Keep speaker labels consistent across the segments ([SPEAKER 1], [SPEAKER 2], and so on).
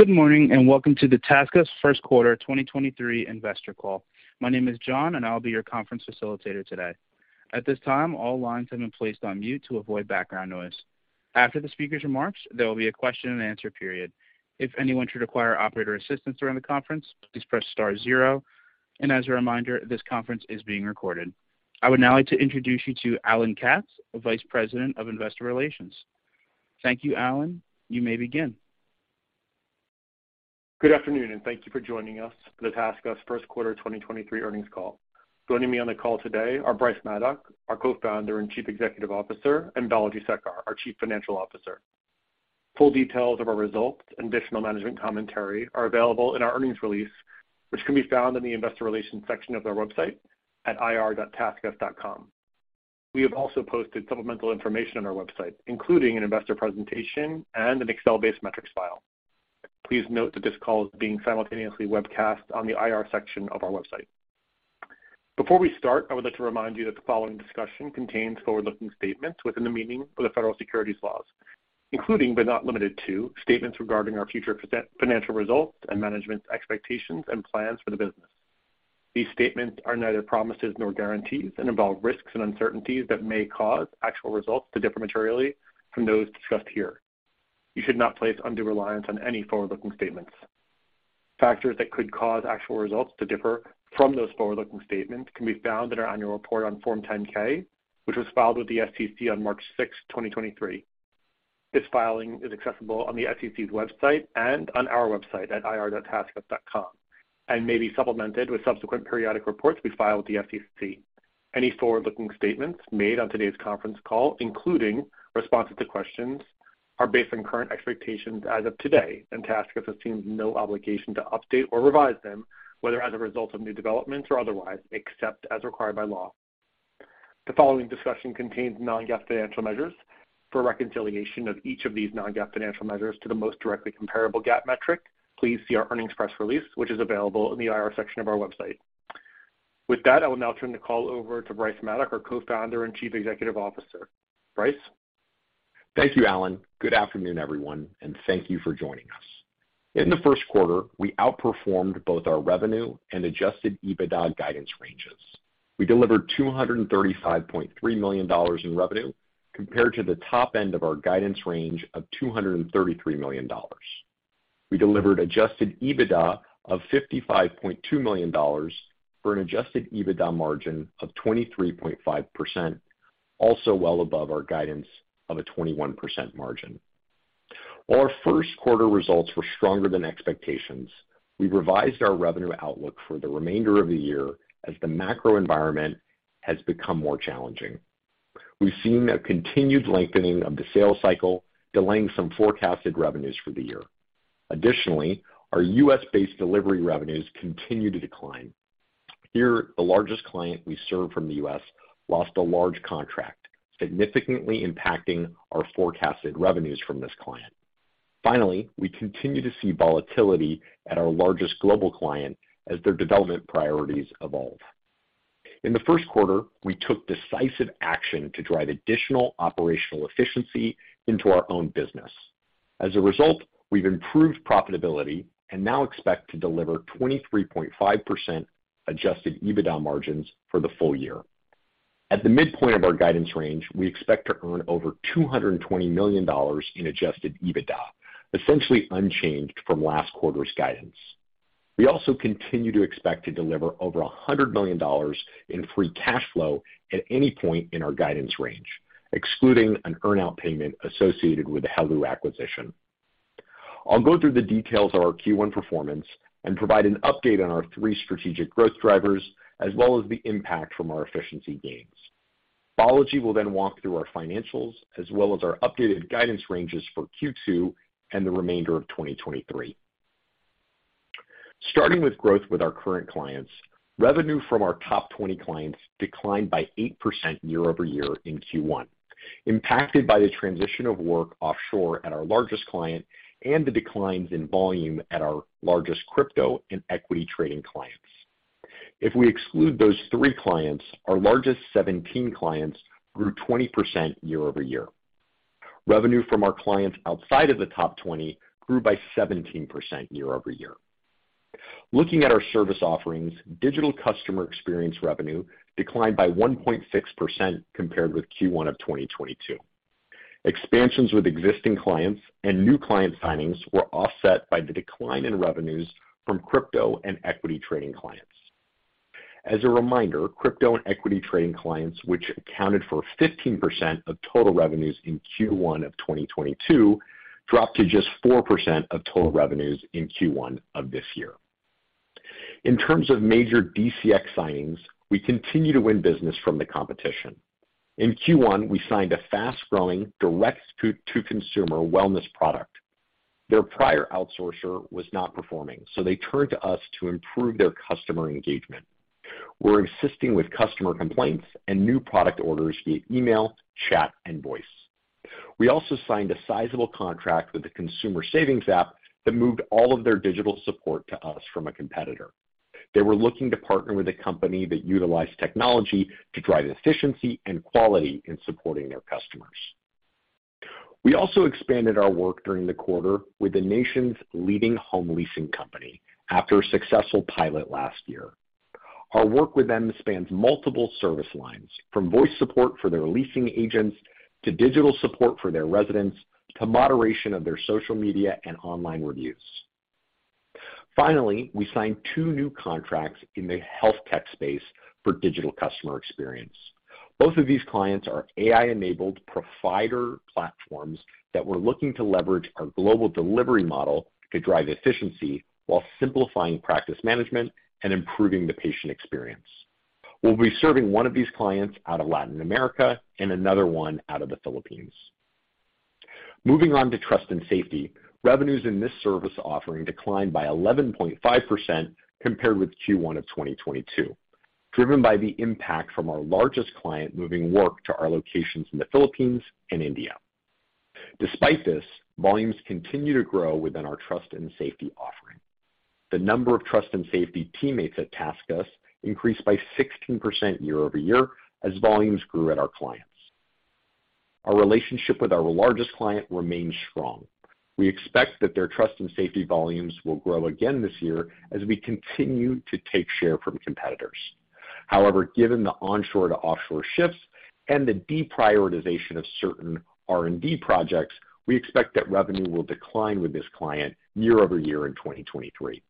[SPEAKER 1] Good morning, and welcome to the TaskUs first quarter 2023 investor call. My name is John, and I'll be your conference facilitator today. At this time, all lines have been placed on mute to avoid background noise. After the speaker's remarks, there will be a question and answer period. If anyone should require operator assistance during the conference, please press star zero. As a reminder, this conference is being recorded. I would now like to introduce you to Alan Katz, Vice President of Investor Relations. Thank you, Alan. You may begin.
[SPEAKER 2] Good afternoon, thank you for joining us for the TaskUs first quarter 2023 earnings call. Joining me on the call today are Bryce Maddock, our Co-founder and Chief Executive Officer, and Balaji Sekar, our Chief Financial Officer. Full details of our results and additional management commentary are available in our earnings release, which can be found in the Investor Relations section of our website at ir.taskus.com. We have also posted supplemental information on our website, including an investor presentation and an Excel-based metrics file. Please note that this call is being simultaneously webcast on the IR section of our website. Before we start, I would like to remind you that the following discussion contains forward-looking statements within the meaning of the federal securities laws, including, but not limited to, statements regarding our future financial results and management's expectations and plans for the business. These statements are neither promises nor guarantees and involve risks and uncertainties that may cause actual results to differ materially from those discussed here. You should not place undue reliance on any forward-looking statements. Factors that could cause actual results to differ from those forward-looking statements can be found in our annual report on Form 10-K, which was filed with the SEC on March 6th, 2023. This filing is accessible on the SEC's website and on our website at ir.taskus.com, and may be supplemented with subsequent periodic reports we file with the SEC. Any forward-looking statements made on today's conference call, including responses to questions, are based on current expectations as of today, and TaskUs assumes no obligation to update or revise them, whether as a result of new developments or otherwise, except as required by law. The following discussion contains non-GAAP financial measures. For reconciliation of each of these non-GAAP financial measures to the most directly comparable GAAP metric, please see our earnings press release, which is available in the IR section of our website. I will now turn the call over to Bryce Maddock, our Co-founder and Chief Executive Officer. Bryce.
[SPEAKER 3] Thank you, Alan. Good afternoon, everyone, and thank you for joining us. In the first quarter, we outperformed both our revenue and adjusted EBITDA guidance ranges. We delivered $235.3 million in revenue compared to the top end of our guidance range of $233 million. We delivered adjusted EBITDA of $55.2 million for an adjusted EBITDA margin of 23.5%, also well above our guidance of a 21% margin. While our first quarter results were stronger than expectations, we revised our revenue outlook for the remainder of the year as the macro environment has become more challenging. We've seen a continued lengthening of the sales cycle, delaying some forecasted revenues for the year. Additionally, our U.S.-based delivery revenues continue to decline. Here, the largest client we serve from the US lost a large contract, significantly impacting our forecasted revenues from this client. Finally, we continue to see volatility at our largest global client as their development priorities evolve. In the first quarter, we took decisive action to drive additional operational efficiency into our own business. As a result, we've improved profitability and now expect to deliver 23.5% adjusted EBITDA margins for the full year. At the midpoint of our guidance range, we expect to earn over $220 million in adjusted EBITDA, essentially unchanged from last quarter's guidance. We also continue to expect to deliver over $100 million in Free Cash Flow at any point in our guidance range, excluding an earnout payment associated with the heloo acquisition. I'll go through the details of our Q1 performance and provide an update on our three strategic growth drivers, as well as the impact from our efficiency gains. Balaji will walk through our financials as well as our updated guidance ranges for Q2 and the remainder of 2023. Starting with growth with our current clients, revenue from our top 20 clients declined by 8% year-over-year in Q1, impacted by the transition of work offshore at our largest client and the declines in volume at our largest crypto and equity trading clients. If we exclude those three clients, our largest 17 clients grew 20% year-over-year. Revenue from our clients outside of the top 20 grew by 17% year-over-year. Looking at our service offerings, Digital Customer Experience revenue declined by 1.6% compared with Q1 of 2022. Expansions with existing clients and new client signings were offset by the decline in revenues from crypto and equity trading clients. As a reminder, crypto and equity trading clients, which accounted for 15% of total revenues in Q1 of 2022, dropped to just 4% of total revenues in Q1 of this year. In terms of major DCX signings, we continue to win business from the competition. In Q1, we signed a fast-growing direct to consumer wellness product. Their prior outsourcer was not performing, they turned to us to improve their customer engagement. We're assisting with customer complaints and new product orders via email, chat, and voice. We also signed a sizable contract with the consumer savings app that moved all of their digital support to us from a competitor. They were looking to partner with a company that utilized technology to drive efficiency and quality in supporting their customers. We also expanded our work during the quarter with the nation's leading home leasing company after a successful pilot last year. Our work with them spans multiple service lines, from voice support for their leasing agents to digital support for their residents to moderation of their social media and online reviews. Finally, we signed two new contracts in the health tech space for Digital Customer Experience. Both of these clients are AI-enabled provider platforms that were looking to leverage our global delivery model to drive efficiency while simplifying practice management and improving the patient experience. We'll be serving one of these clients out of Latin America and another one out of the Philippines. Moving on to Trust and Safety. Revenues in this service offering declined by 11.5% compared with Q1 of 2022, driven by the impact from our largest client moving work to our locations in the Philippines and India. Despite this, volumes continue to grow within our Trust and Safety offering. The number of Trust and Safety teammates at TaskUs increased by 16% year-over-year as volumes grew at our clients. Our relationship with our largest client remains strong. We expect that their Trust and Safety volumes will grow again this year as we continue to take share from competitors. However, given the onshore to offshore shifts and the deprioritization of certain R&D projects, we expect that revenue will decline with this client year-over-year in 2023.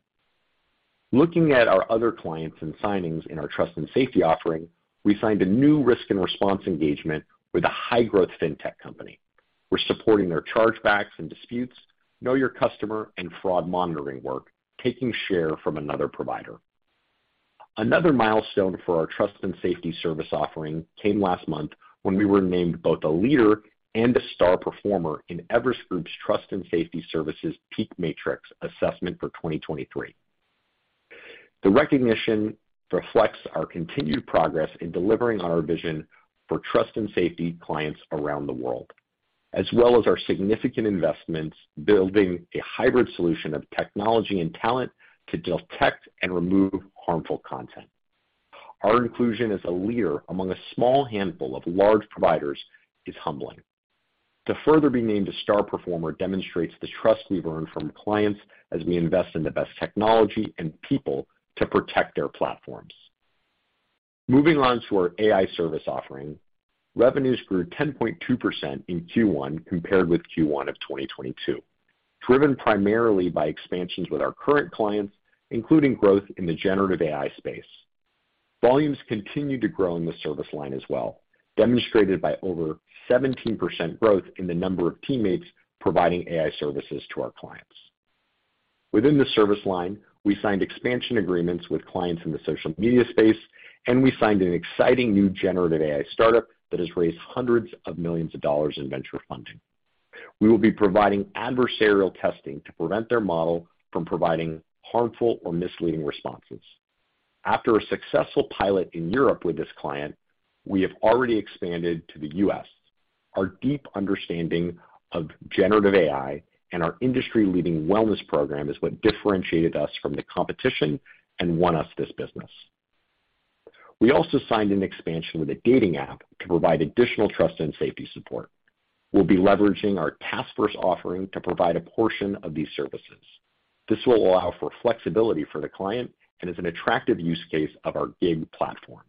[SPEAKER 3] Looking at our other clients and signings in our Trust and Safety offering, we signed a new risk and response engagement with a high growth fintech company. We're supporting their chargebacks and disputes, know your customer and fraud monitoring work, taking share from another provider. Another milestone for our Trust and Safety service offering came last month when we were named both a leader and a star performer in Everest Group's Trust and Safety Services PEAK Matrix assessment for 2023. The recognition reflects our continued progress in delivering on our vision for Trust and Safety clients around the world, as well as our significant investments building a hybrid solution of technology and talent to detect and remove harmful content. Our inclusion as a leader among a small handful of large providers is humbling. To further be named a star performer demonstrates the trust we've earned from clients as we invest in the best technology and people to protect their platforms. Moving on to our AI service offering. Revenues grew 10.2% in Q1 compared with Q1 of 2022, driven primarily by expansions with our current clients, including growth in the generative AI space. Volumes continued to grow in the service line as well, demonstrated by over 17% growth in the number of teammates providing AI Services to our clients. Within the service line, we signed expansion agreements with clients in the social media space, and we signed an exciting new generative AI startup that has raised $hundreds of millions in venture funding. We will be providing adversarial testing to prevent their model from providing harmful or misleading responses. After a successful pilot in Europe with this client, we have already expanded to the U.S. Our deep understanding of generative AI and our industry leading wellness program is what differentiated us from the competition and won us this business. We signed an expansion with a dating app to provide additional trust and safety support. We'll be leveraging our TaskVerse offering to provide a portion of these services. This will allow for flexibility for the client and is an attractive use case of our gig platform.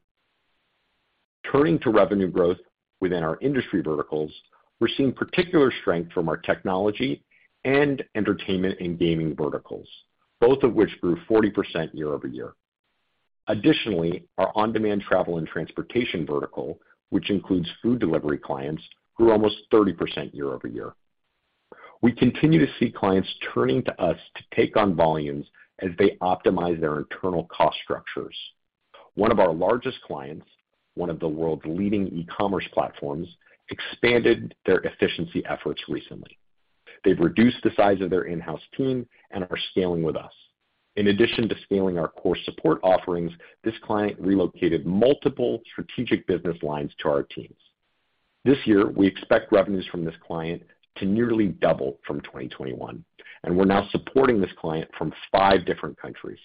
[SPEAKER 3] Turning to revenue growth within our industry verticals, we're seeing particular strength from our technology and entertainment and gaming verticals, both of which grew 40% year-over-year. Additionally, our on-demand travel and transportation vertical, which includes food delivery clients, grew almost 30% year-over-year. We continue to see clients turning to us to take on volumes as they optimize their internal cost structures. One of our largest clients, one of the world's leading e-commerce platforms, expanded their efficiency efforts recently. They've reduced the size of their in-house team and are scaling with us. In addition to scaling our core support offerings, this client relocated multiple strategic business lines to our teams. This year, we expect revenues from this client to nearly double from 2021, and we're now supporting this client from five different countries.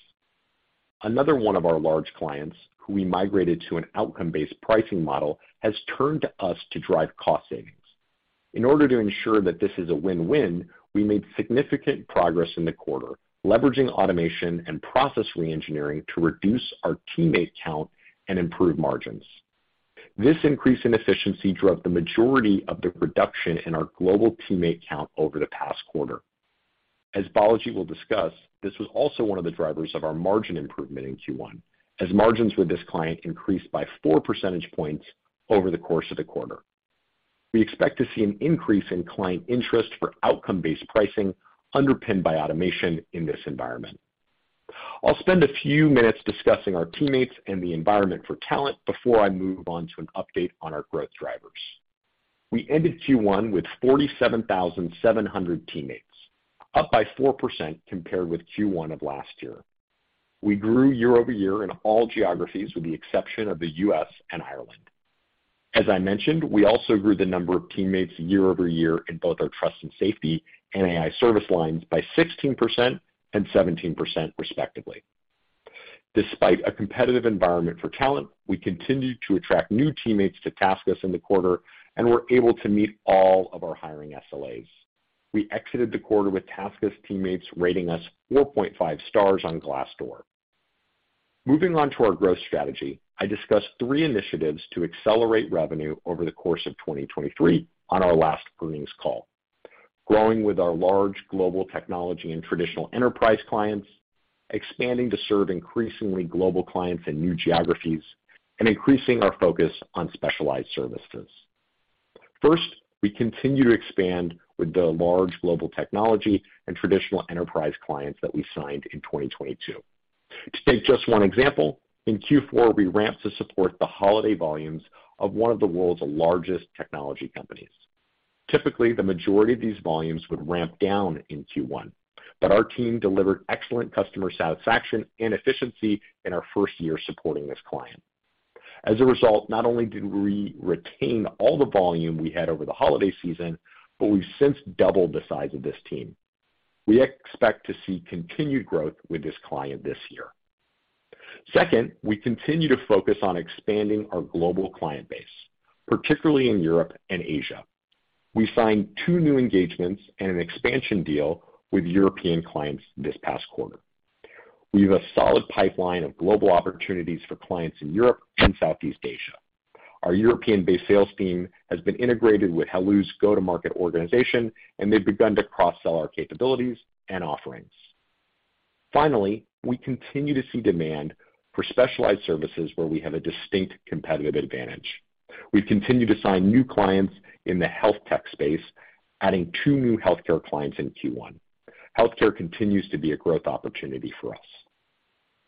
[SPEAKER 3] Another one of our large clients who we migrated to an outcome-based pricing model has turned to us to drive cost savings. In order to ensure that this is a win-win, we made significant progress in the quarter, leveraging automation and process re-engineering to reduce our teammate count and improve margins. This increase in efficiency drove the majority of the reduction in our global teammate count over the past quarter. As Balaji will discuss, this was also one of the drivers of our margin improvement in Q1, as margins with this client increased by four percentage points over the course of the quarter. We expect to see an increase in client interest for outcome-based pricing underpinned by automation in this environment. I'll spend a few minutes discussing our teammates and the environment for talent before I move on to an update on our growth drivers. We ended Q1 with 47,700 teammates, up by 4% compared with Q1 of last year. We grew year-over-year in all geographies with the exception of the U.S. and Ireland. As I mentioned, we also grew the number of teammates year-over-year in both our Trust and Safety and AI Services lines by 16% and 17% respectively. Despite a competitive environment for talent, we continued to attract new teammates to TaskUs in the quarter and were able to meet all of our hiring SLAs. We exited the quarter with TaskUs teammates rating us 4.5 stars on Glassdoor. Moving on to our growth strategy, I discussed three initiatives to accelerate revenue over the course of 2023 on our last earnings call. Growing with our large global technology and traditional enterprise clients, expanding to serve increasingly global clients in new geographies, and increasing our focus on specialized services. First, we continue to expand with the large global technology and traditional enterprise clients that we signed in 2022. To state just one example, in Q4, we ramped to support the holiday volumes of one of the world's largest technology companies. Typically, the majority of these volumes would ramp down in Q1, our team delivered excellent customer satisfaction and efficiency in our first year supporting this client. As a result, not only did we retain all the volume we had over the holiday season, but we've since doubled the size of this team. We expect to see continued growth with this client this year. Second, we continue to focus on expanding our global client base, particularly in Europe and Asia. We signed two new engagements and an expansion deal with European clients this past quarter. We have a solid pipeline of global opportunities for clients in Europe and Southeast Asia. Our European-based sales team has been integrated with heloo's go-to-market organization, they've begun to cross-sell our capabilities and offerings. Finally, we continue to see demand for specialized services where we have a distinct competitive advantage. We've continued to sign new clients in the health tech space, adding two new healthcare clients in Q1. Healthcare continues to be a growth opportunity for us.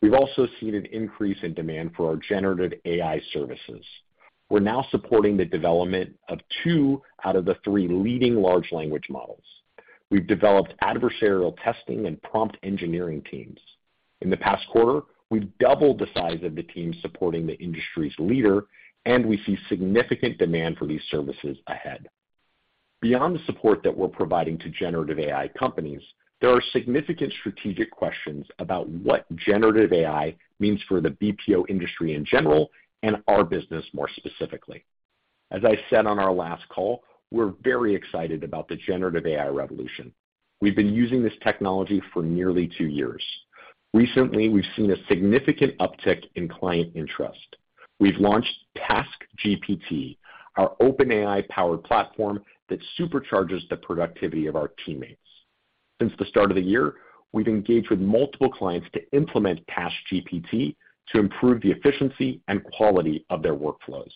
[SPEAKER 3] We've also seen an increase in demand for our generative AI services. We're now supporting the development of two out of the three leading large language models. We've developed adversarial testing and prompt engineering teams. In the past quarter, we've doubled the size of the team supporting the industry's leader, we see significant demand for these services ahead. Beyond the support that we're providing to generative AI companies, there are significant strategic questions about what generative AI means for the BPO industry in general and our business more specifically. As I said on our last call, we're very excited about the generative AI revolution. We've been using this technology for nearly two years. Recently, we've seen a significant uptick in client interest. We've launched TaskGPT, our OpenAI-powered platform that supercharges the productivity of our teammates. Since the start of the year, we've engaged with multiple clients to implement TaskGPT to improve the efficiency and quality of their workflows.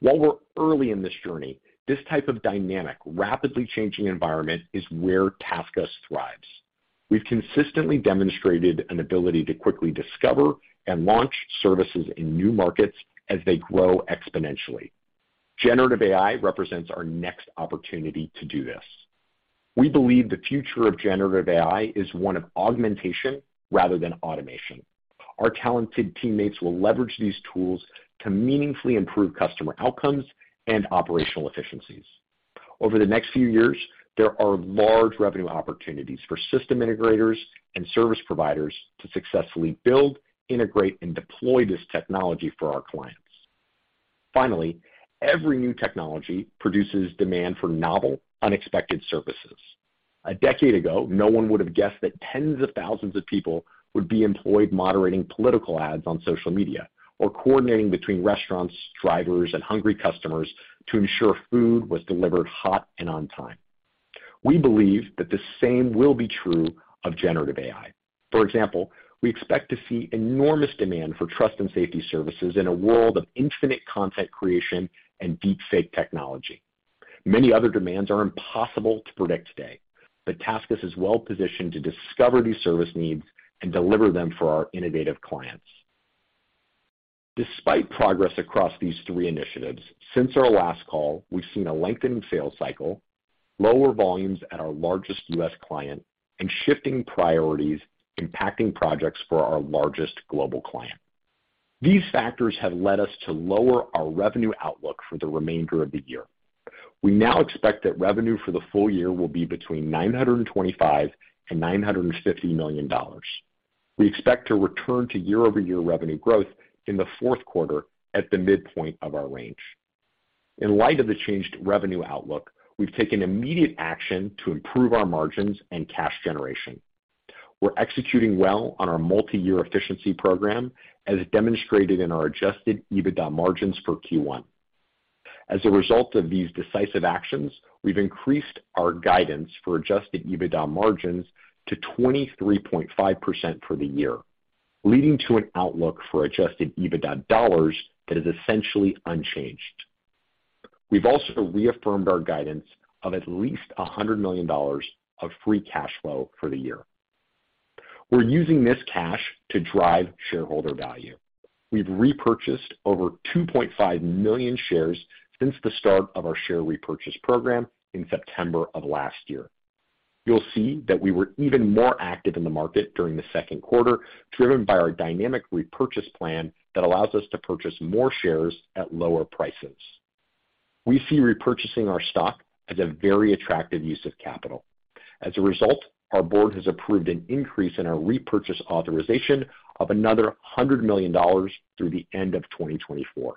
[SPEAKER 3] While we're early in this journey, this type of dynamic, rapidly changing environment is where TaskUs thrives. We've consistently demonstrated an ability to quickly discover and launch services in new markets as they grow exponentially. Generative AI represents our next opportunity to do this. We believe the future of generative AI is one of augmentation rather than automation. Our talented teammates will leverage these tools to meaningfully improve customer outcomes and operational efficiencies. Over the next few years, there are large revenue opportunities for system integrators and service providers to successfully build, integrate, and deploy this technology for our clients. Finally, every new technology produces demand for novel, unexpected services. A decade ago, no one would have guessed that tens of thousands of people would be employed moderating political ads on social media or coordinating between restaurants, drivers, and hungry customers to ensure food was delivered hot and on time. We believe that the same will be true of generative AI. For example, we expect to see enormous demand for Trust and Safety services in a world of infinite content creation and deep fake technology. Many other demands are impossible to predict today, TaskUs is well-positioned to discover these service needs and deliver them for our innovative clients. Despite progress across these three initiatives, since our last call, we've seen a lengthened sales cycle, lower volumes at our largest U.S. client, and shifting priorities impacting projects for our largest global client. These factors have led us to lower our revenue outlook for the remainder of the year. We now expect that revenue for the full year will be between $925 million and $950 million. We expect to return to year-over-year revenue growth in the fourth quarter at the midpoint of our range. In light of the changed revenue outlook, we've taken immediate action to improve our margins and cash generation. We're executing well on our multi-year efficiency program as demonstrated in our adjusted EBITDA margins for Q1. As a result of these decisive actions, we've increased our guidance for adjusted EBITDA margins to 23.5% for the year, leading to an outlook for adjusted EBITDA dollars that is essentially unchanged. We've also reaffirmed our guidance of at least $100 million of Free Cash Flow for the year. We're using this cash to drive shareholder value. We've repurchased over 2.5 million shares since the start of our share repurchase program in September of last year. You'll see that we were even more active in the market during the second quarter, driven by our dynamic repurchase plan that allows us to purchase more shares at lower prices. We see repurchasing our stock as a very attractive use of capital. As a result, our board has approved an increase in our repurchase authorization of another $100 million through the end of 2024.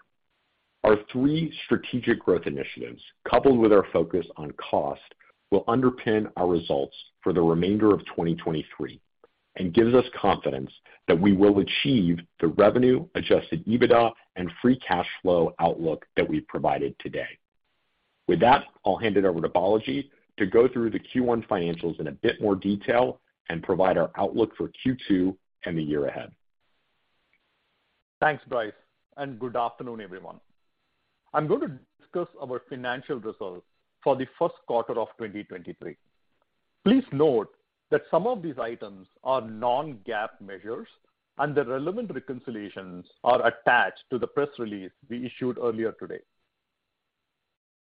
[SPEAKER 3] Our three strategic growth initiatives, coupled with our focus on cost, will underpin our results for the remainder of 2023 and gives us confidence that we will achieve the revenue, adjusted EBITDA, and Free Cash Flow outlook that we provided today. With that, I'll hand it over to Balaji to go through the Q1 financials in a bit more detail and provide our outlook for Q2 and the year ahead.
[SPEAKER 4] Thanks, Bryce. Good afternoon, everyone. I'm going to discuss our financial results for the first quarter of 2023. Please note that some of these items are non-GAAP measures. The relevant reconciliations are attached to the press release we issued earlier today.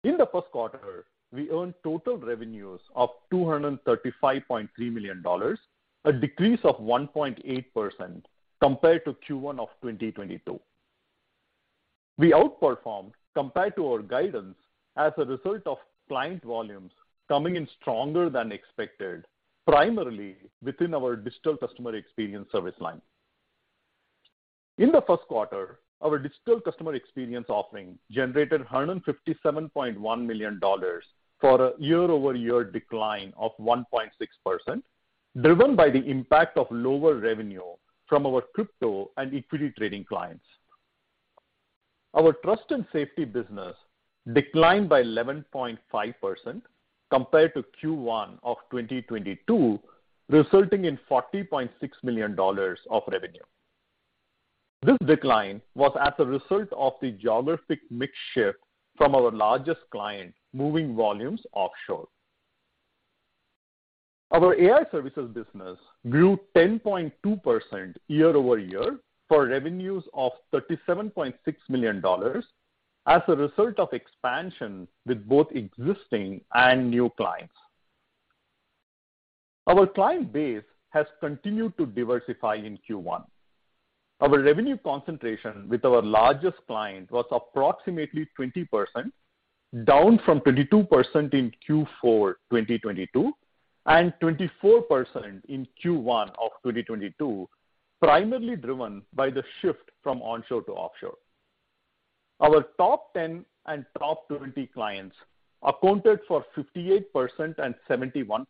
[SPEAKER 4] In the first quarter, we earned total revenues of $235.3 million, a decrease of 1.8% compared to Q1 of 2022. We outperformed compared to our guidance as a result of client volumes coming in stronger than expected, primarily within our Digital Customer Experience service line. In the first quarter, our Digital Customer Experience offering generated $157.1 million for a year-over-year decline of 1.6%, driven by the impact of lower revenue from our crypto and equity trading clients. Our Trust and Safety business declined by 11.5% compared to Q1 of 2022, resulting in $40.6 million of revenue. This decline was as a result of the geographic mix shift from our largest client moving volumes offshore. Our AI Services business grew 10.2% year-over-year for revenues of $37.6 million as a result of expansion with both existing and new clients. Our client base has continued to diversify in Q1. Our revenue concentration with our largest client was approximately 20%, down from 22% in Q4 2022, and 24% in Q1 of 2022, primarily driven by the shift from onshore to offshore. Our top 10 and top 20 clients accounted for 58% and 71%,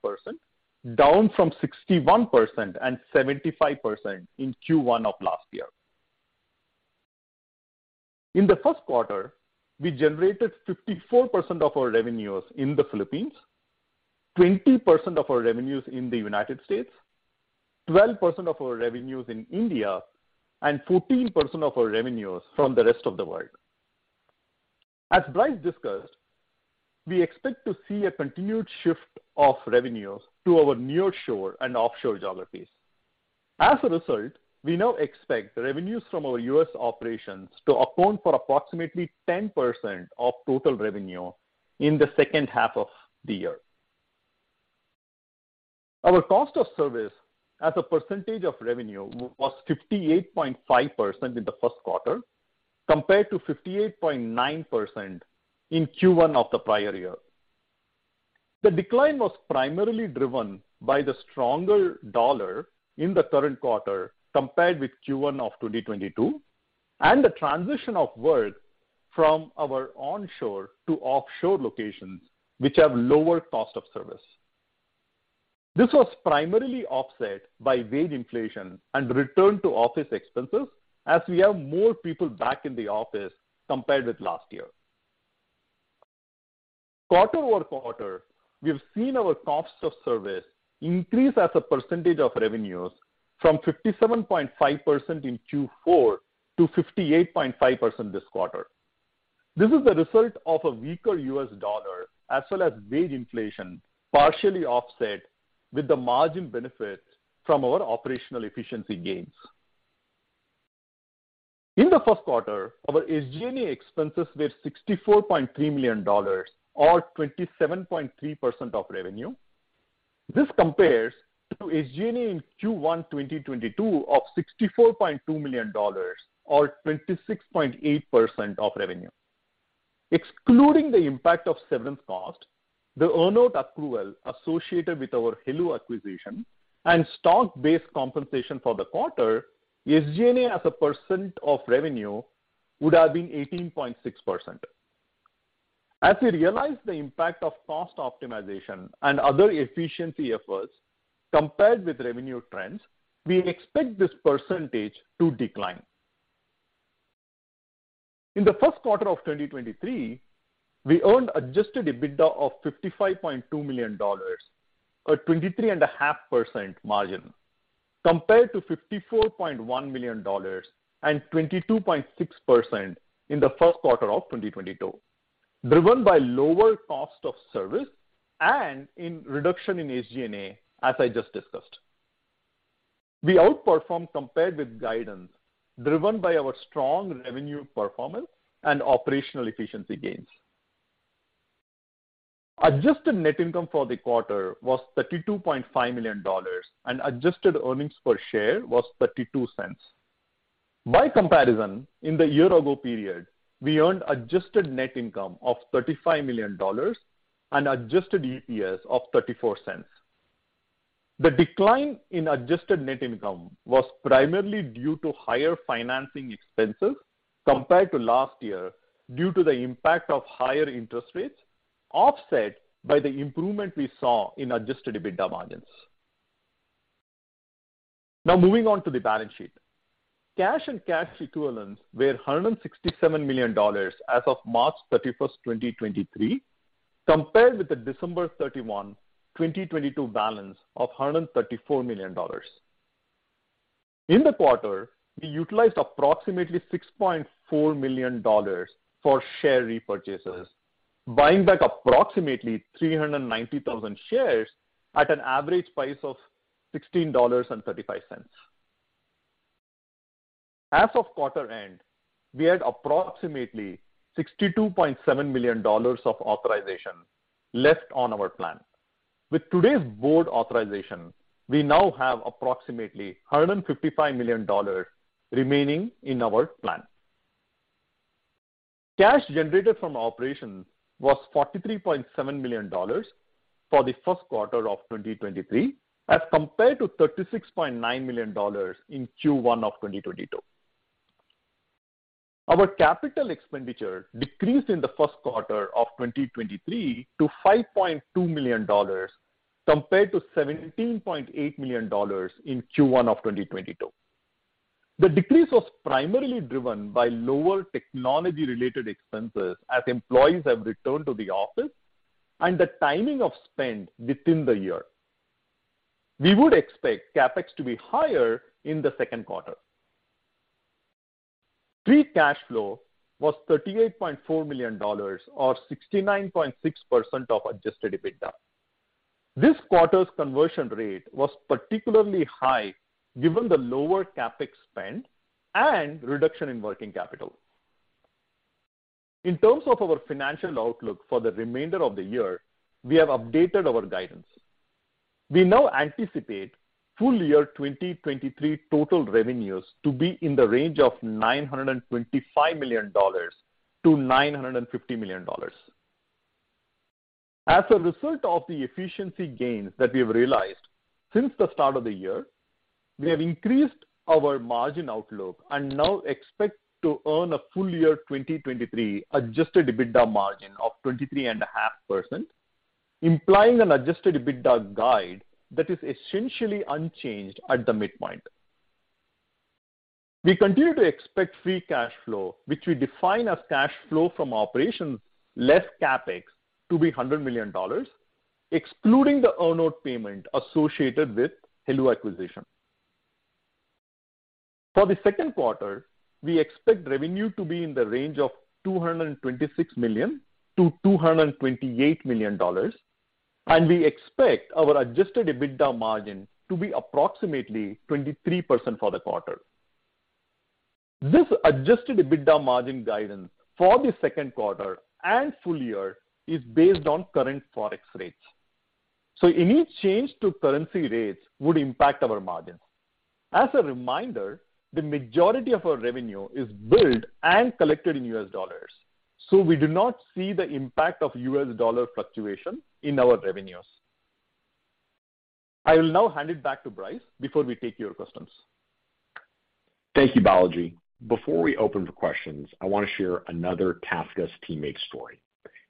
[SPEAKER 4] down from 61% and 75% in Q1 of last year. In the first quarter, we generated 54% of our revenues in the Philippines, 20% of our revenues in the United States, 12% of our revenues in India, and 14% of our revenues from the rest of the world. As Bryce discussed, we expect to see a continued shift of revenues to our nearshore and offshore geographies. As a result, we now expect the revenues from our US operations to account for approximately 10% of total revenue in the second half of the year. Our cost of service as a percentage of revenue was 58.5% in the first quarter, compared to 58.9% in Q1 of the prior year. The decline was primarily driven by the stronger dollar in the current quarter compared with Q1 of 2022 and the transition of work from our onshore to offshore locations, which have lower cost of service. This was primarily offset by wage inflation and return to office expenses, as we have more people back in the office compared with last year. quarter-over-quarter, we have seen our cost of service increase as a percentage of revenues from 57.5% in Q4 to 58.5% this quarter. This is the result of a weaker US dollar as well as wage inflation, partially offset with the margin benefit from our operational efficiency gains. In the first quarter, our SG&A expenses were $64.3 million or 27.3% of revenue. This compares to SG&A in Q1 2022 of $64.2 million or 26.8% of revenue. Excluding the impact of severance costs, the earnout accrual associated with our heloo acquisition and stock-based compensation for the quarter, SG&A as a percent of revenue would have been 18.6%. As we realize the impact of cost optimization and other efficiency efforts compared with revenue trends, we expect this percentage to decline. In the first quarter of 2023, we earned adjusted EBITDA of $55.2 million, a 23.5% margin compared to $54.1 million and 22.6% in the first quarter of 2022, driven by lower cost of service and in reduction in SG&A, as I just discussed. We outperformed compared with guidance driven by our strong revenue performance and operational efficiency gains. Adjusted Net Income for the quarter was $32.5 million, and adjusted earnings per share was $0.32. By comparison, in the year ago period, we earned Adjusted Net Income of $35 million and adjusted EPS of $0.34. The decline in Adjusted Net Income was primarily due to higher financing expenses compared to last year, due to the impact of higher interest rates, offset by the improvement we saw in adjusted EBITDA margins. Now moving on to the balance sheet. Cash and cash equivalents were $167 million as of March 31, 2023, compared with the December 31, 2022 balance of $134 million. In the quarter, we utilized approximately $6.4 million for share repurchases, buying back approximately 390,000 shares at an average price of $16.35. As of quarter end, we had approximately $62.7 million of authorization left on our plan. With today's board authorization, we now have approximately $155 million remaining in our plan. Cash generated from operations was $43.7 million for the first quarter of 2023, as compared to $36.9 million in Q1 of 2022. Our capital expenditure decreased in the first quarter of 2023 to $5.2 million compared to $17.8 million in Q1 of 2022. The decrease was primarily driven by lower technology-related expenses as employees have returned to the office and the timing of spend within the year. We would expect CapEx to be higher in the second quarter. Free cash flow was $38.4 million or 69.6% of adjusted EBITDA. This quarter's conversion rate was particularly high given the lower CapEx spend and reduction in working capital. In terms of our financial outlook for the remainder of the year, we have updated our guidance. We now anticipate full year 2023 total revenues to be in the range of $925 million-$950 million. As a result of the efficiency gains that we have realized since the start of the year, we have increased our margin outlook and now expect to earn a full year 2023 adjusted EBITDA margin of 23.5%, implying an adjusted EBITDA guide that is essentially unchanged at the midpoint. We continue to expect Free Cash Flow, which we define as cash flow from operations less CapEx, to be $100 million, excluding the earnout payment associated with heloo acquisition. For the second quarter, we expect revenue to be in the range of $226 million-$228 million, and we expect our adjusted EBITDA margin to be approximately 23% for the quarter. This adjusted EBITDA margin guidance for the second quarter and full year is based on current ForEx rates. Any change to currency rates would impact our margins. As a reminder, the majority of our revenue is billed and collected in U.S. dollars, we do not see the impact of U.S. dollar fluctuation in our revenues. I will now hand it back to Bryce before we take your questions.
[SPEAKER 3] Thank you, Balaji. Before we open for questions, I wanna share another TaskUs teammate story.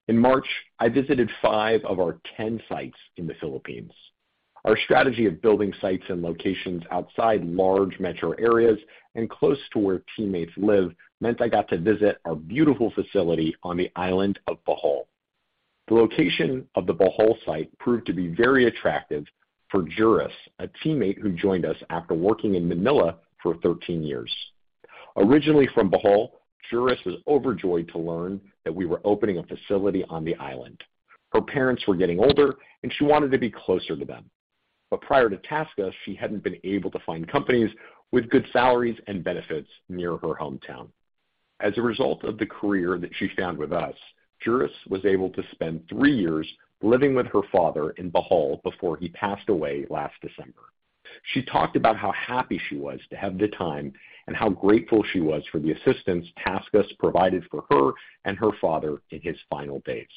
[SPEAKER 3] In March, I visited five of our 10 sites in the Philippines. Our strategy of building sites and locations outside large metro areas and close to where teammates live meant I got to visit our beautiful facility on the island of Bohol. The location of the Bohol site proved to be very attractive for Juris, a teammate who joined us after working in Manila for 13 years. Originally from Bohol, Juris was overjoyed to learn that we were opening a facility on the island. Her parents were getting older, and she wanted to be closer to them. But prior to TaskUs, she hadn't been able to find companies with good salaries and benefits near her hometown. As a result of the career that she found with us, Juris was able to spend three years living with her father in Bohol before he passed away last December. She talked about how happy she was to have the time and how grateful she was for the assistance TaskUs provided for her and her father in his final days.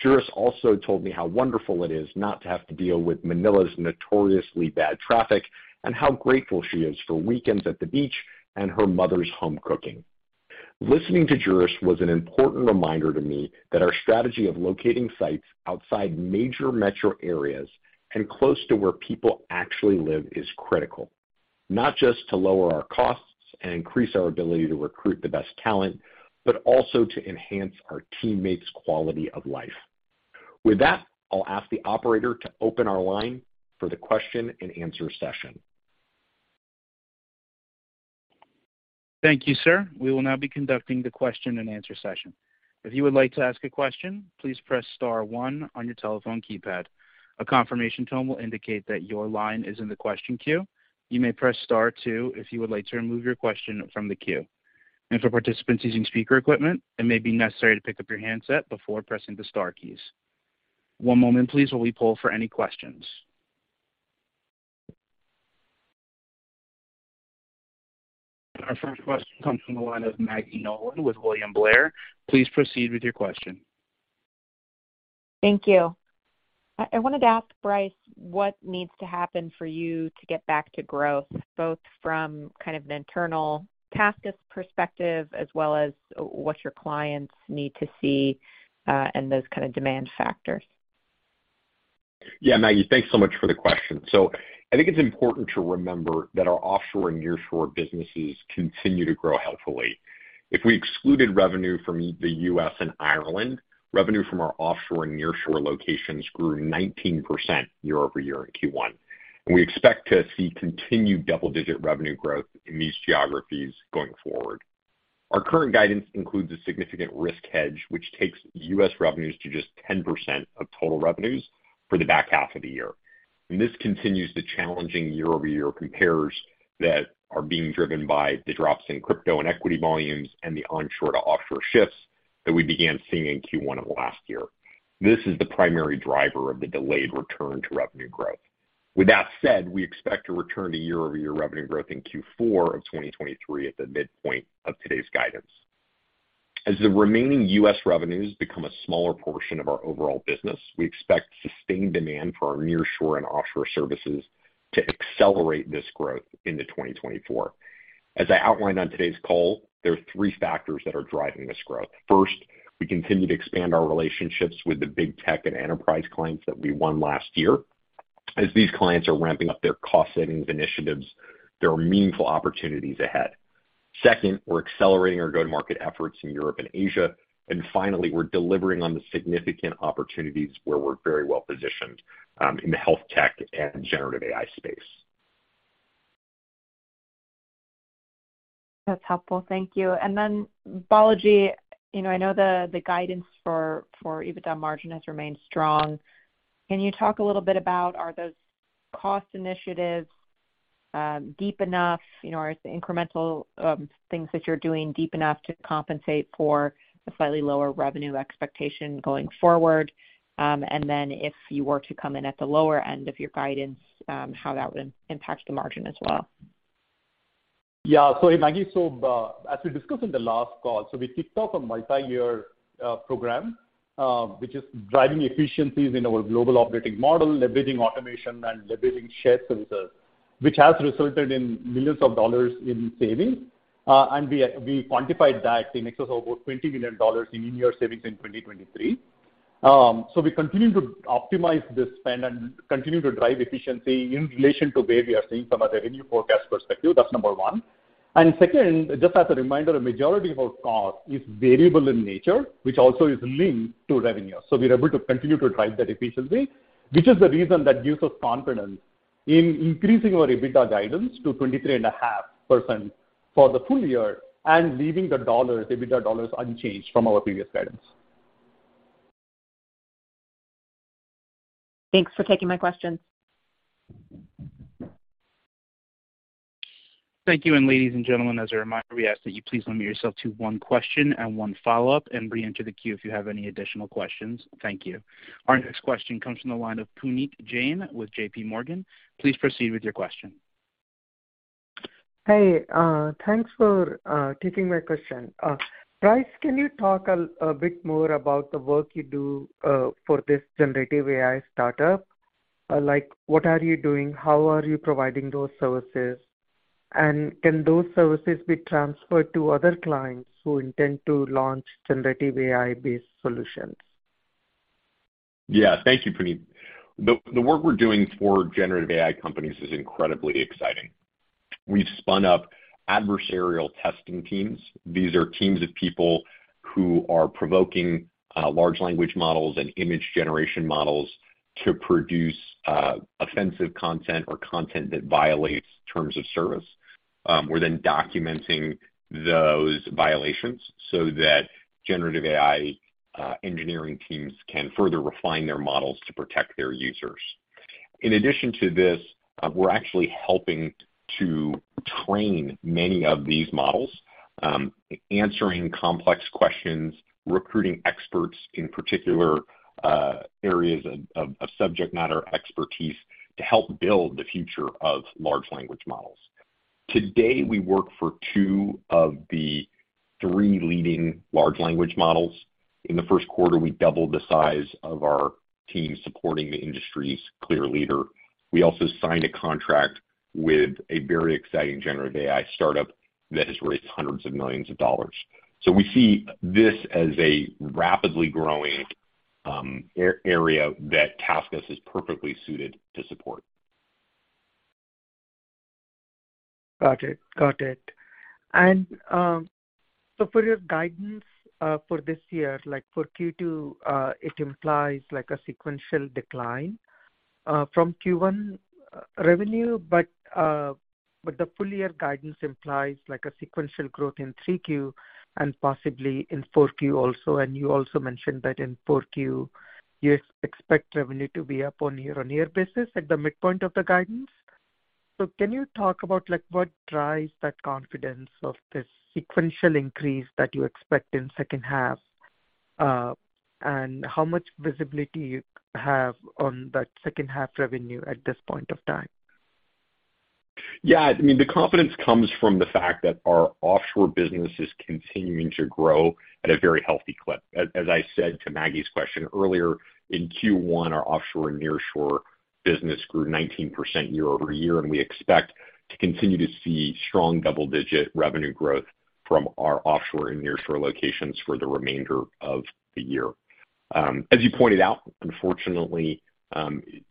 [SPEAKER 3] Juris also told me how wonderful it is not to have to deal with Manila's notoriously bad traffic, and how grateful she is for weekends at the beach and her mother's home cooking. Listening to Juris was an important reminder to me that our strategy of locating sites outside major metro areas and close to where people actually live is critical, not just to lower our costs and increase our ability to recruit the best talent, but also to enhance our teammates' quality of life. With that, I'll ask the operator to open our line for the question-and-answer session.
[SPEAKER 1] Thank you, sir. We will now be conducting the question and answer session. If you would like to ask a question, please press star one on your telephone keypad. A confirmation tone will indicate that your line is in the question queue. You may press star two if you would like to remove your question from the queue. For participants using speaker equipment, it may be necessary to pick up your handset before pressing the star keys. One moment please while we poll for any questions. Our first question comes from the line of Maggie Nolan with William Blair. Please proceed with your question.
[SPEAKER 5] Thank you. I wanted to ask Bryce what needs to happen for you to get back to growth, both from kind of an internal TaskUs perspective as well as what your clients need to see, and those kind of demand factors.
[SPEAKER 3] Yeah, Maggie, thanks so much for the question. I think it's important to remember that our offshore and nearshore businesses continue to grow healthily. If we excluded revenue from the U.S. and Ireland, revenue from our offshore and nearshore locations grew 19% year-over-year in Q1. We expect to see continued double-digit revenue growth in these geographies going forward. Our current guidance includes a significant risk hedge, which takes U.S. revenues to just 10% of total revenues for the back half of the year. This continues the challenging year-over-year compares that are being driven by the drops in crypto and equity volumes and the onshore to offshore shifts that we began seeing in Q1 of last year. This is the primary driver of the delayed return to revenue growth. With that said, we expect to return to year-over-year revenue growth in Q4 of 2023 at the midpoint of today's guidance. As the remaining U.S. revenues become a smaller portion of our overall business, we expect sustained demand for our nearshore and offshore services to accelerate this growth into 2024. As I outlined on today's call, there are three factors that are driving this growth. First, we continue to expand our relationships with the big tech and enterprise clients that we won last year. As these clients are ramping up their cost savings initiatives, there are meaningful opportunities ahead. Second, we're accelerating our go-to-market efforts in Europe and Asia. Finally, we're delivering on the significant opportunities where we're very well positioned in the health tech and generative AI space.
[SPEAKER 5] That's helpful. Thank you. Balaji, you know, I know the guidance for EBITDA margin has remained strong. Can you talk a little bit about are those cost initiatives deep enough? You know, are incremental things that you're doing deep enough to compensate for a slightly lower revenue expectation going forward? If you were to come in at the lower end of your guidance, how that would impact the margin as well.
[SPEAKER 4] Yeah. Maggie, as we discussed in the last call, we kicked off a multi-year program, which is driving efficiencies in our global operating model, leveraging automation and leveraging shared services, which has resulted in millions of dollars in savings. We quantified that in excess of about $20 million in year savings in 2023. We continue to optimize this spend and continue to drive efficiency in relation to where we are seeing from a revenue forecast perspective. That's number one. Second, just as a reminder, a majority of our cost is variable in nature, which also is linked to revenue. We're able to continue to drive that efficiency, which is the reason that gives us confidence in increasing our EBITDA guidance to 23.5% for the full year and leaving the dollars, EBITDA dollars unchanged from our previous guidance.
[SPEAKER 5] Thanks for taking my questions.
[SPEAKER 1] Thank you. Ladies and gentlemen, as a reminder, we ask that you please limit yourself to one question and one follow-up and reenter the queue if you have any additional questions. Thank you. Our next question comes from the line of Puneet Jain with JP Morgan. Please proceed with your question.
[SPEAKER 6] Hey, thanks for taking my question. Bryce, can you talk a bit more about the work you do for this generative AI startup? Like, what are you doing? How are you providing those services? Can those services be transferred to other clients who intend to launch generative AI-based solutions?
[SPEAKER 3] Thank you, Puneet. The work we're doing for generative AI companies is incredibly exciting. We've spun up adversarial testing teams. These are teams of people who are provoking large language models and image generation models to produce offensive content or content that violates terms of service. We're then documenting those violations so that generative AI engineering teams can further refine their models to protect their users. In addition to this, we're actually helping to train many of these models, answering complex questions, recruiting experts in particular areas of subject matter expertise to help build the future of large language models. Today, we work for two of the three leading large language models. In the first quarter, we doubled the size of our team supporting the industry's clear leader. We also signed a contract with a very exciting generative AI startup that has raised hundreds of millions of dollars. We see this as a rapidly growing area that TaskUs is perfectly suited to support.
[SPEAKER 6] Got it. Got it. For your guidance, for this year, for Q2, it implies a sequential decline from Q1 revenue. The full year guidance implies a sequential growth in Q3 and possibly in Q4 also. You also mentioned that in Q4 you expect revenue to be up on year-on-year basis at the midpoint of the guidance. Can you talk about what drives that confidence of this sequential increase that you expect in second half? How much visibility you have on that second half revenue at this point of time?
[SPEAKER 3] Yeah, I mean, the confidence comes from the fact that our offshore business is continuing to grow at a very healthy clip. As I said to Maggie's question earlier, in Q1, our offshore and nearshore business grew 19% year-over-year, We expect to continue to see strong double-digit revenue growth from our offshore and nearshore locations for the remainder of the year. As you pointed out, unfortunately,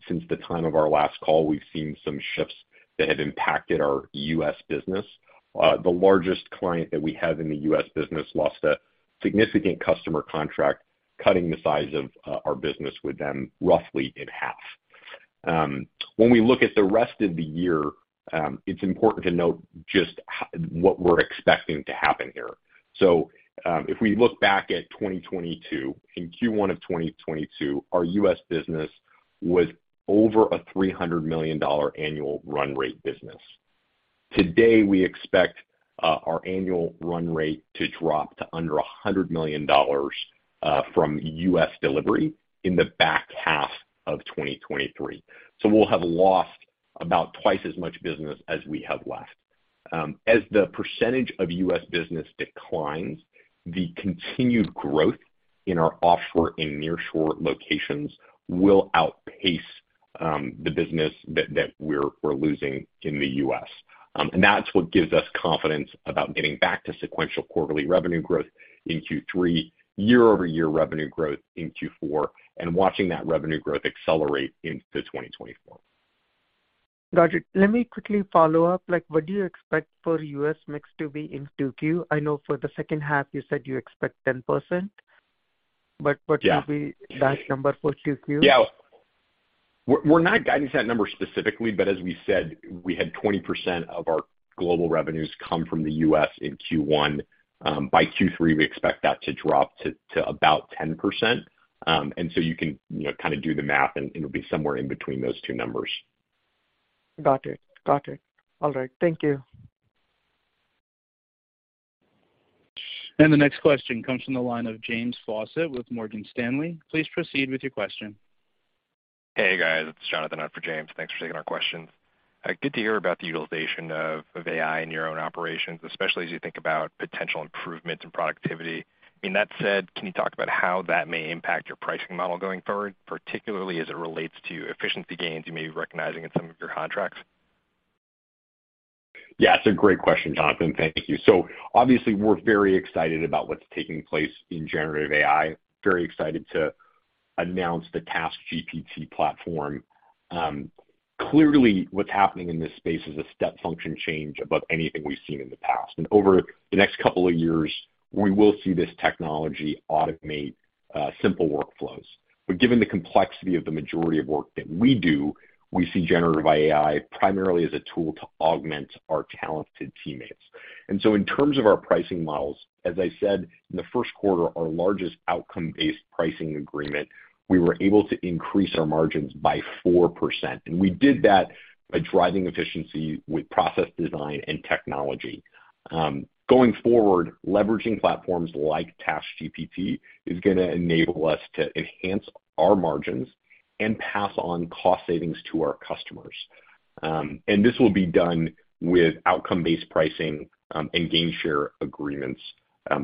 [SPEAKER 3] since the time of our last call, we've seen some shifts that have impacted our U.S. business. The largest client that we have in the U.S. business lost a significant customer contract, cutting the size of our business with them roughly in half. When we look at the rest of the year, it's important to note just what we're expecting to happen here. If we look back at 2022, in Q1 of 2022, our US business was over a $300 million annual run rate business. Today, we expect our annual run rate to drop to under $100 million from US delivery in the back half of 2023. We'll have lost about twice as much business as we have left. As the percentage of US business declines, the continued growth in our offshore and nearshore locations will outpace the business that we're losing in the US. That's what gives us confidence about getting back to sequential quarterly revenue growth in Q3, year-over-year revenue growth in Q4, and watching that revenue growth accelerate into 2024.
[SPEAKER 6] Got you. Let me quickly follow up. Like what do you expect for US mix to be in Q2? I know for the second half you said you expect 10%. What-
[SPEAKER 3] Yeah.
[SPEAKER 6] should be that number for Q2?
[SPEAKER 3] Yeah. We're not guiding to that number specifically, but as we said, we had 20% of our global revenues come from the US in Q1. By Q3 we expect that to drop to about 10%. You can, you know, kinda do the math and it'll be somewhere in between those two numbers.
[SPEAKER 6] Got it. Got it. All right. Thank you.
[SPEAKER 1] The next question comes from the line of James Faucette with Morgan Stanley. Please proceed with your question.
[SPEAKER 7] Hey, guys. It's Jonathan on for James. Thanks for taking our questions. Good to hear about the utilization of AI in your own operations, especially as you think about potential improvements in productivity. In that said, can you talk about how that may impact your pricing model going forward, particularly as it relates to efficiency gains you may be recognizing in some of your contracts?
[SPEAKER 3] It's a great question, Jonathan. Thank you. Obviously we're very excited about what's taking place in generative AI. Very excited to announce the TaskGPT platform. Clearly what's happening in this space is a step function change above anything we've seen in the past. Over the next couple of years, we will see this technology automate simple workflows. Given the complexity of the majority of work that we do, we see generative AI primarily as a tool to augment our talented teammates. In terms of our pricing models, as I said in the first quarter, our largest outcome-based pricing agreement, we were able to increase our margins by 4%, and we did that by driving efficiency with process design and technology. Going forward, leveraging platforms like TaskGPT is gonna enable us to enhance our margins and pass on cost savings to our customers. This will be done with outcome-based pricing and gain share agreements,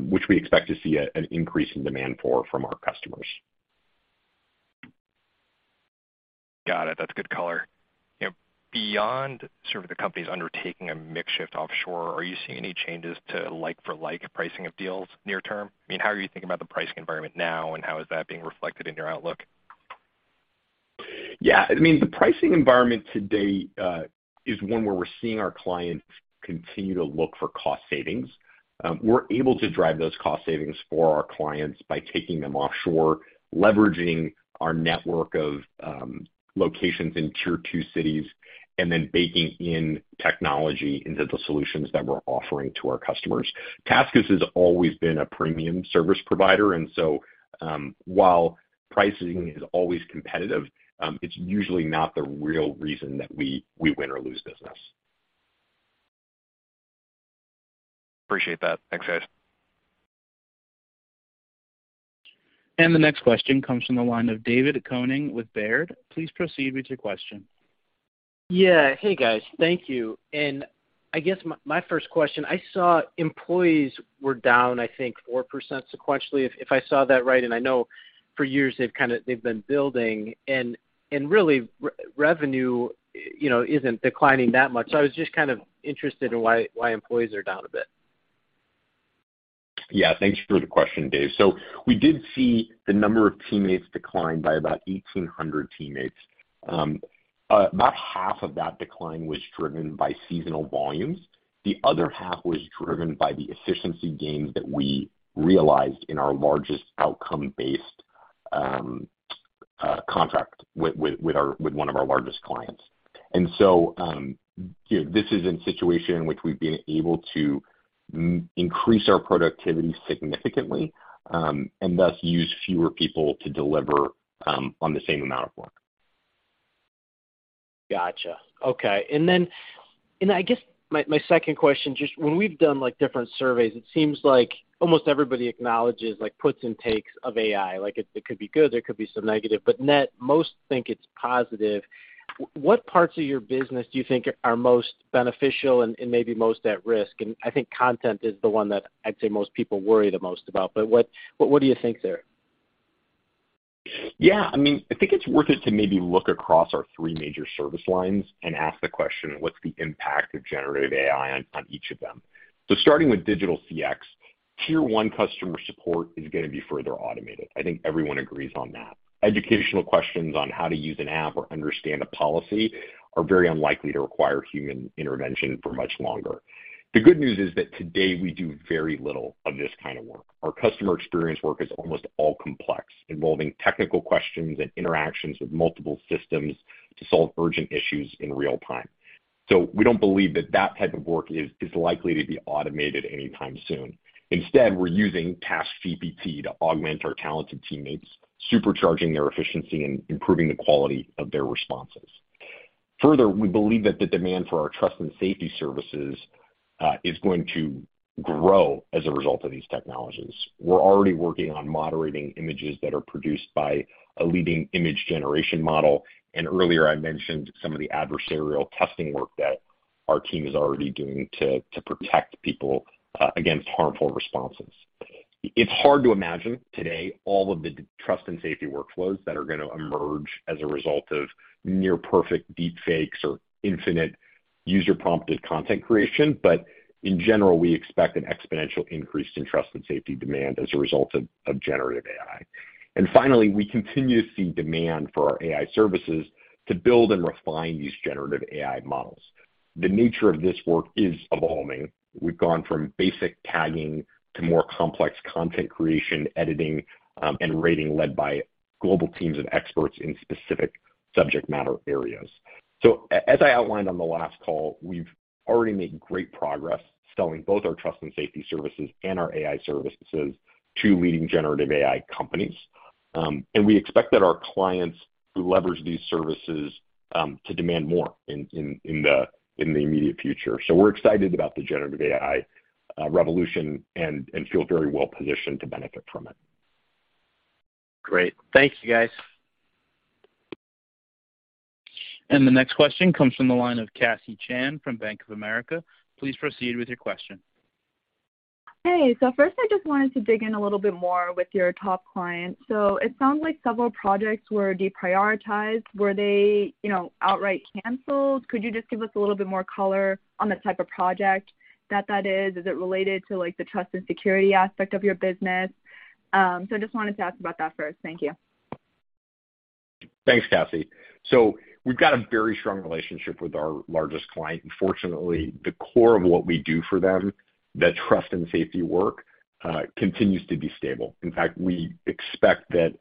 [SPEAKER 3] which we expect to see an increase in demand for from our customers.
[SPEAKER 7] Got it. That's good color. You know, beyond sort of the companies undertaking a mix shift offshore, are you seeing any changes to like for like pricing of deals near term? I mean, how are you thinking about the pricing environment now, and how is that being reflected in your outlook?
[SPEAKER 3] Yeah. I mean, the pricing environment today, is one where we're seeing our clients continue to look for cost savings. We're able to drive those cost savings for our clients by taking them offshore, leveraging our network of, locations in tier two cities, and then baking in technology into the solutions that we're offering to our customers. TaskUs has always been a premium service provider. While pricing is always competitive, it's usually not the real reason that we win or lose business.
[SPEAKER 7] Appreciate that. Thanks, guys.
[SPEAKER 1] The next question comes from the line of David Koning with Baird. Please proceed with your question.
[SPEAKER 6] Yeah. Hey, guys. Thank you. I guess my first question, I saw employees were down, I think 4% sequentially, if I saw that right. I know for years they've kinda they've been building and really revenue, you know, isn't declining that much. I was just kind of interested in why employees are down a bit.
[SPEAKER 3] Yeah, thanks for the question, Dave. We did see the number of teammates decline by about 1,800 teammates, about half of that decline was driven by seasonal volumes. The other half was driven by the efficiency gains that we realized in our largest outcome-based contract with one of our largest clients. You know, this is a situation in which we've been able to increase our productivity significantly, and thus use fewer people to deliver on the same amount of work.
[SPEAKER 8] Gotcha. Okay. I guess my second question, just when we've done like different surveys, it seems like almost everybody acknowledges like puts and takes of AI. Like it could be good, there could be some negative, but net, most think it's positive. What parts of your business do you think are most beneficial and maybe most at risk? And I think content is the one that I'd say most people worry the most about, but what do you think there?
[SPEAKER 3] Yeah. I mean, I think it's worth it to maybe look across our three major service lines and ask the question, what's the impact of generative AI on each of them? Starting with digital CX, Tier 1 customer support is gonna be further automated. I think everyone agrees on that. Educational questions on how to use an app or understand a policy are very unlikely to require human intervention for much longer. The good news is that today we do very little of this kind of work. Our customer experience work is almost all complex, involving technical questions and interactions with multiple systems to solve urgent issues in real time. We don't believe that type of work is likely to be automated anytime soon. Instead, we're using TaskGPT to augment our talented teammates, supercharging their efficiency and improving the quality of their responses. Further, we believe that the demand for our Trust and Safety services is going to grow as a result of these technologies. We're already working on moderating images that are produced by a leading image generation model, and earlier I mentioned some of the adversarial testing work that our team is already doing to protect people against harmful responses. It's hard to imagine today all of the Trust and Safety workflows that are gonna emerge as a result of near perfect deepfakes or infinite user-prompted content creation, but in general, we expect an exponential increase in Trust and Safety demand as a result of generative AI. Finally, we continue to see demand for our AI Services to build and refine these generative AI models. The nature of this work is evolving. We've gone from basic tagging to more complex content creation, editing, and rating led by global teams of experts in specific subject matter areas. As I outlined on the last call, we've already made great progress selling both our Trust and Safety services and our AI Services to leading generative AI companies. We expect that our clients who leverage these services to demand more in the immediate future. We're excited about the generative AI revolution and feel very well positioned to benefit from it.
[SPEAKER 9] Great. Thank you, guys.
[SPEAKER 1] The next question comes from the line of Cassie Chan from Bank of America. Please proceed with your question.
[SPEAKER 10] Hey. First, I just wanted to dig in a little bit more with your top client. It sounds like several projects were deprioritized. Were they, you know, outright canceled? Could you just give us a little bit more color on the type of project that that is? Is it related to like the Trust and Safety aspect of your business? Just wanted to ask about that first. Thank you.
[SPEAKER 3] Thanks, Cassie. We've got a very strong relationship with our largest client. Fortunately, the core of what we do for them, the Trust and Safety work, continues to be stable. In fact, we expect that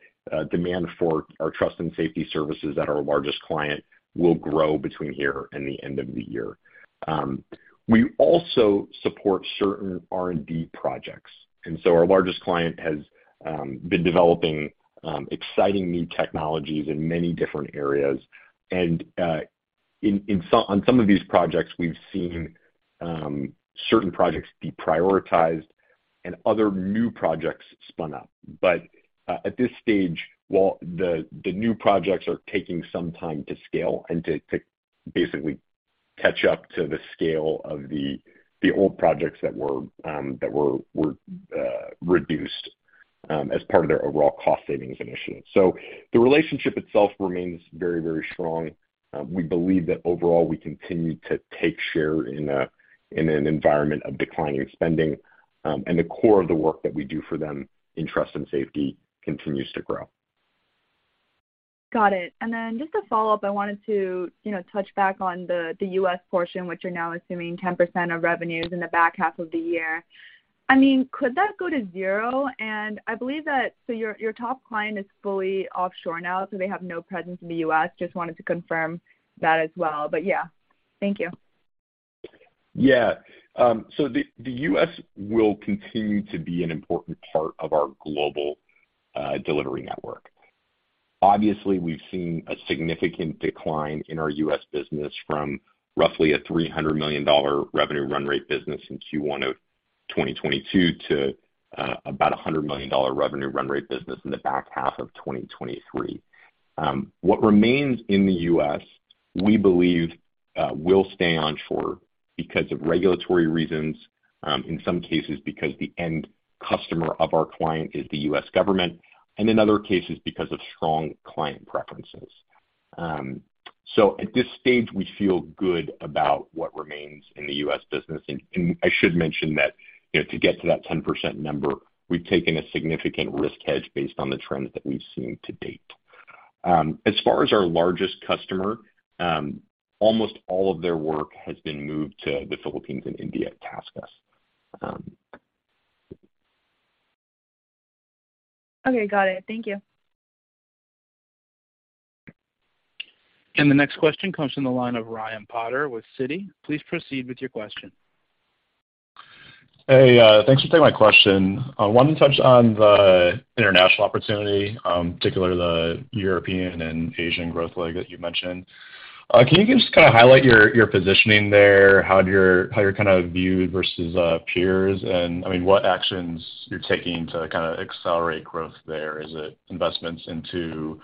[SPEAKER 3] demand for our Trust and Safety services at our largest client will grow between here and the end of the year. We also support certain R&D projects, our largest client has been developing exciting new technologies in many different areas. On some of these projects, we've seen certain projects deprioritized and other new projects spun up. At this stage, while the new projects are taking some time to scale and to basically catch up to the scale of the old projects that were reduced as part of their overall cost savings initiative. The relationship itself remains very, very strong. We believe that overall we continue to take share in an environment of declining spending, and the core of the work that we do for them in Trust and Safety continues to grow.
[SPEAKER 10] Got it. Just a follow-up, I wanted to, you know, touch back on the U.S. portion, which you're now assuming 10% of revenues in the back half of the year. I mean, could that go to 0? I believe that your top client is fully offshore now, so they have no presence in the U.S. Just wanted to confirm that as well. Yeah, thank you.
[SPEAKER 3] Yeah. The US will continue to be an important part of our global delivery network. Obviously, we've seen a significant decline in our US business from roughly a $300 million revenue run rate business in Q1 of 2022 to about a $100 million revenue run rate business in the back half of 2023. What remains in the US, we believe, will stay onshore because of regulatory reasons, in some cases, because the end customer of our client is the US government, and in other cases because of strong client preferences. At this stage, we feel good about what remains in the US business. I should mention that, you know, to get to that 10% number, we've taken a significant risk hedge based on the trends that we've seen to date. As far as our largest customer, almost all of their work has been moved to the Philippines and India at TaskUs.
[SPEAKER 10] Okay. Got it. Thank you.
[SPEAKER 1] The next question comes from the line of Ryan Potter with Citi. Please proceed with your question.
[SPEAKER 11] Hey, thanks for taking my question. I wanted to touch on the international opportunity, particularly the European and Asian growth leg that you mentioned. Can you just kinda highlight your positioning there, how you're kinda viewed versus peers and, I mean, what actions you're taking to kinda accelerate growth there? Is it investments into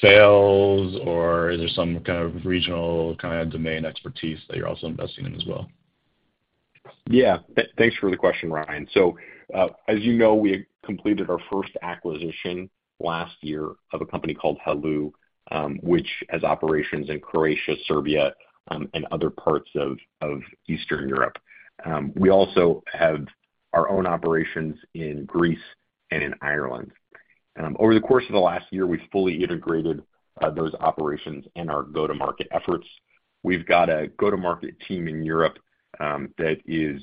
[SPEAKER 11] sales or is there some kind of regional kinda domain expertise that you're also investing in as well?
[SPEAKER 3] Yeah. Thanks for the question, Ryan. As you know, we completed our first acquisition last year of a company called heloo, which has operations in Croatia, Serbia, and other parts of Eastern Europe. We also have our own operations in Greece and in Ireland. Over the course of the last year, we've fully integrated those operations in our go-to-market efforts. We've got a go-to-market team in Europe that is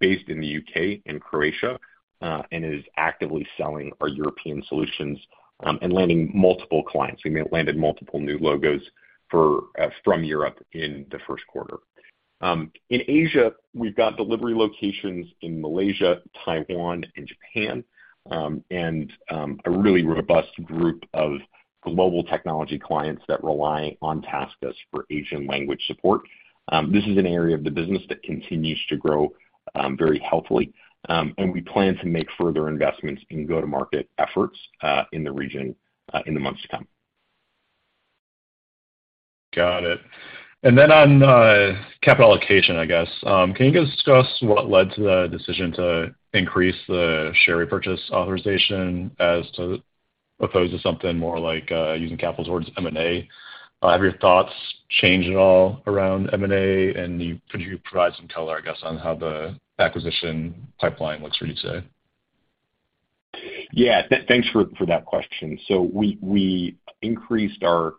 [SPEAKER 3] based in the UK and Croatia and is actively selling our European solutions and landing multiple clients. We landed multiple new logos for from Europe in the first quarter. In Asia, we've got delivery locations in Malaysia, Taiwan, and Japan, a really robust group of global technology clients that rely on TaskUs for Asian language support. This is an area of the business that continues to grow, very healthily. We plan to make further investments in go-to-market efforts, in the region, in the months to come.
[SPEAKER 11] Got it. Then on capital allocation, I guess. Can you guys discuss what led to the decision to increase the share repurchase authorization as opposed to something more like using capital towards M&A? Have your thoughts changed at all around M&A? Could you provide some color, I guess, on how the acquisition pipeline looks for you today?
[SPEAKER 3] Yeah. Thanks for that question. We increased our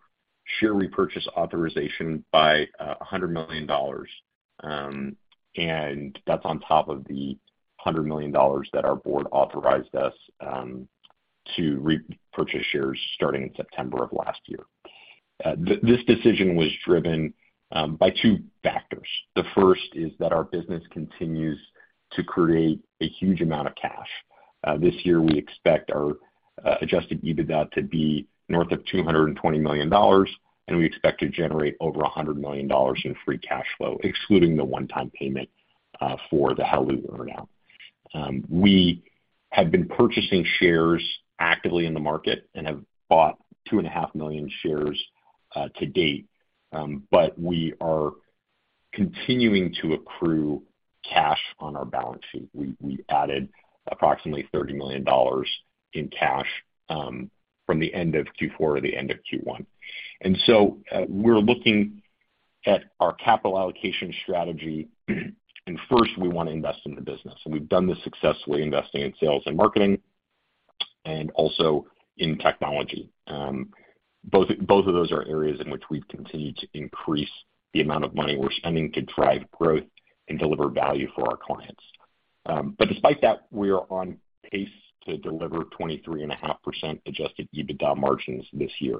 [SPEAKER 3] share repurchase authorization by $100 million, and that's on top of the $100 million that our board authorized us to repurchase shares starting in September of last year. This decision was driven by two factors. The first is that our business continues to create a huge amount of cash. This year we expect our adjusted EBITDA to be north of $220 million, and we expect to generate over $100 million in Free Cash Flow, excluding the one-time payment for the heloo earn out. We have been purchasing shares actively in the market and have bought 2.5 million shares to date. We are continuing to accrue cash on our balance sheet. We added approximately $30 million in cash from the end of Q4 to the end of Q1. We're looking at our capital allocation strategy, and first we wanna invest in the business. We've done this successfully, investing in sales and marketing and also in technology. Both of those are areas in which we've continued to increase the amount of money we're spending to drive growth and deliver value for our clients. Despite that, we are on pace to deliver 23.5% adjusted EBITDA margins this year.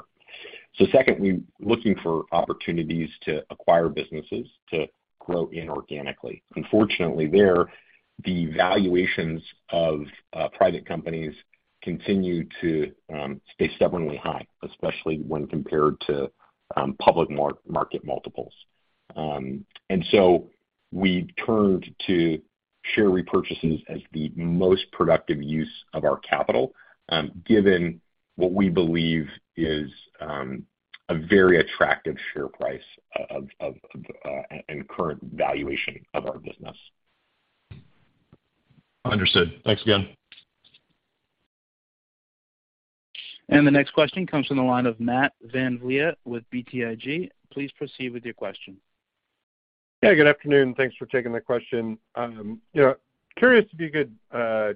[SPEAKER 3] Secondly, looking for opportunities to acquire businesses to grow inorganically. Unfortunately, there, the valuations of private companies continue to stay stubbornly high, especially when compared to public market multiples. We turned to share repurchases as the most productive use of our capital, given what we believe is a very attractive share price of and current valuation of our business.
[SPEAKER 11] Understood. Thanks again.
[SPEAKER 1] The next question comes from the line of Matt VanVliet with BTIG. Please proceed with your question.
[SPEAKER 12] Good afternoon. Thanks for taking the question. You know, curious if you could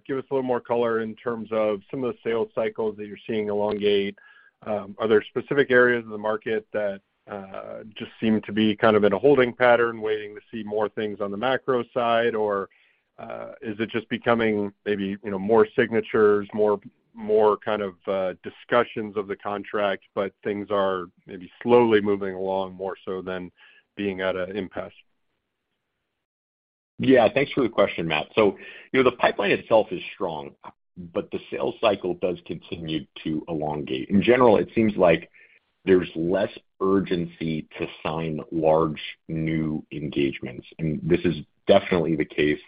[SPEAKER 12] give us a little more color in terms of some of the sales cycles that you're seeing elongate. Are there specific areas of the market that just seem to be kind of in a holding pattern, waiting to see more things on the macro side? Is it just becoming maybe, you know, more signatures, more kind of discussions of the contract, but things are maybe slowly moving along more so than being at an impasse?
[SPEAKER 3] Yeah. Thanks for the question, Matt. You know, the pipeline itself is strong, but the sales cycle does continue to elongate. In general, it seems like there's less urgency to sign large new engagements. This is definitely the case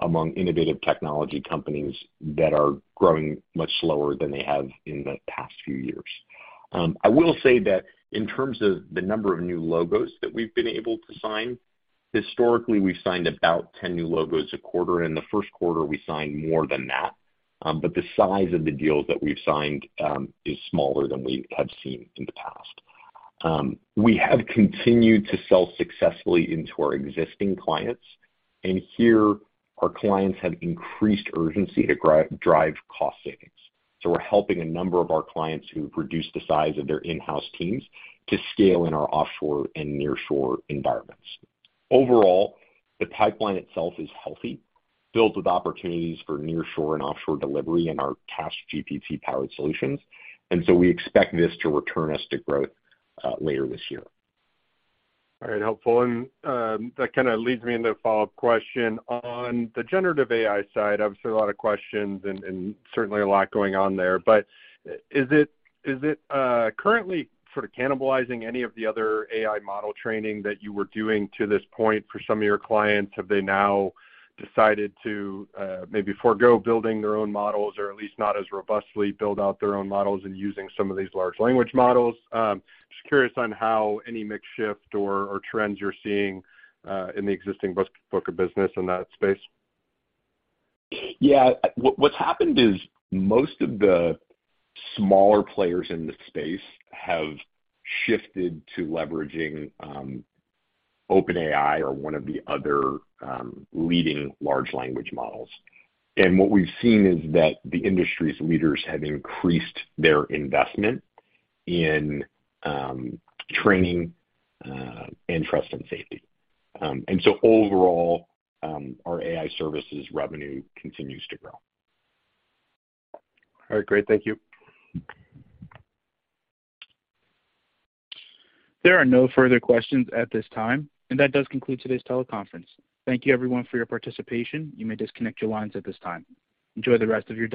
[SPEAKER 3] among innovative technology companies that are growing much slower than they have in the past few years. I will say that in terms of the number of new logos that we've been able to sign, historically, we've signed about 10 new logos a quarter. In the first quarter, we signed more than that. The size of the deals that we've signed, is smaller than we have seen in the past. We have continued to sell successfully into our existing clients. Here our clients have increased urgency to drive cost savings. We're helping a number of our clients who've reduced the size of their in-house teams to scale in our offshore and nearshore environments. Overall, the pipeline itself is healthy, filled with opportunities for nearshore and offshore delivery in our TaskGPT-powered solutions. We expect this to return us to growth later this year.
[SPEAKER 12] All right. Helpful. That kinda leads me into the follow-up question. On the generative AI side, obviously, a lot of questions and certainly a lot going on there. Is it currently sort of cannibalizing any of the other AI model training that you were doing to this point for some of your clients? Have they now decided to maybe forego building their own models, or at least not as robustly build out their own models and using some of these large language models? Just curious on how any mix shift or trends you're seeing in the existing book of business in that space.
[SPEAKER 3] Yeah. What's happened is most of the smaller players in the space have shifted to leveraging OpenAI or one of the other leading large language models. What we've seen is that the industry's leaders have increased their investment in training and Trust and Safety. Overall, our AI Services revenue continues to grow.
[SPEAKER 12] All right. Great. Thank you.
[SPEAKER 1] There are no further questions at this time. That does conclude today's teleconference. Thank you everyone for your participation. You may disconnect your lines at this time. Enjoy the rest of your day